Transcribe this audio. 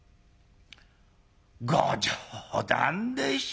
ご冗談でしょ。